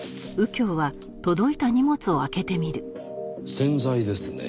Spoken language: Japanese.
洗剤ですね。